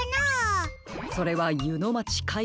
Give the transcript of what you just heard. それはゆのまちかいがんです。